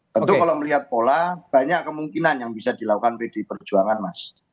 tentu kalau melihat pola banyak kemungkinan yang bisa dilakukan pdi perjuangan mas